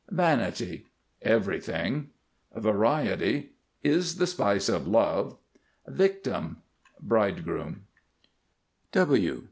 VANITY. Everything. VARIETY. Is the spice of Love. VICTIM. Bridegroom.